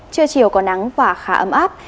trưa chiều còn nắng và khá ấm áp